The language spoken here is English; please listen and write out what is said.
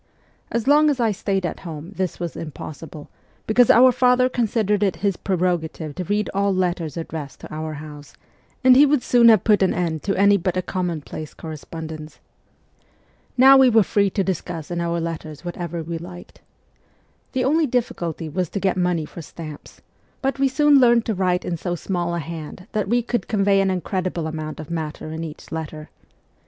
As long as I stayed at home this was impossible, because our father considered it his preroga tive to read all letters addressed to our house, and he would soon have put an end to any but a commonplace correspondence. Now we were free to discuss in our 110 MEMOIRS OF A EE VOLUTION 1ST letters whatever we liked. The only difficulty w r as to get money for stamps ; but we soon learned to write in so small a hand that we could convey an incredible amount of matter in each letter.